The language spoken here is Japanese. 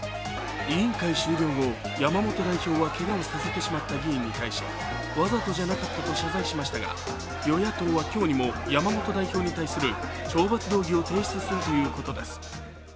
委員会終了後、山本代表はけがをさせてしまった議員に対しわざとじゃなかったと謝罪しましたが、与野党は今日にも山本代表に対する懲罰動議を提出するということです。